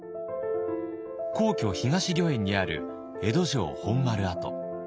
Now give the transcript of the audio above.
皇居東御苑にある江戸城本丸跡。